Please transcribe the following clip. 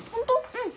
うん。